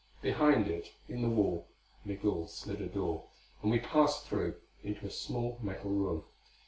Behind it in the wall Migul slid a door, and we passed through, into a small metal room.